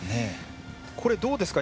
これ、どうですか？